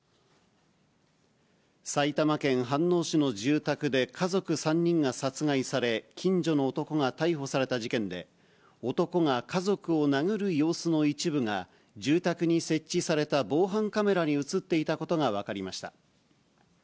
埼玉県飯能市の住宅で家族３人が殺害され、近所の男が逮捕された事件で、男が家族を殴る様子の一部が、住宅に設置された防犯カメラに写っていたことが分かりました。